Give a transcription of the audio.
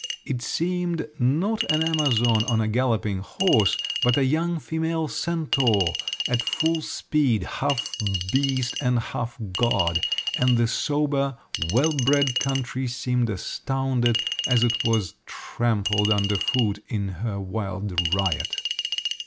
It seemed not an Amazon on a galloping horse, but a young female centaur at full speed, half beast and half god, and the sober, well bred country seemed astounded, as it was trampled underfoot in her wild riot!